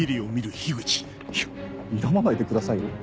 いやにらまないでくださいよ。